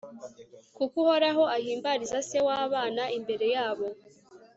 kuko uhoraho ahimbariza se w'abana imbere yabo